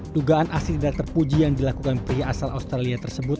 dugaan aksi tidak terpuji yang dilakukan pria asal australia tersebut